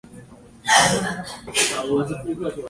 劫匪最后选择投降。